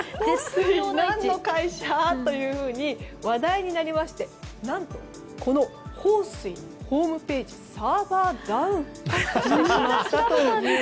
何の会社というふうに話題になりまして何と、このホウスイのホームページがサーバーダウンしてしまったと。